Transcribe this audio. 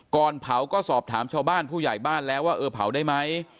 ก่อนเผาก็สอบถามชาวบ้านผู้ใหญ่บ้านแล้วว่าเออเผาได้ไหม